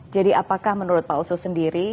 jadi apakah menurut pak oso sendiri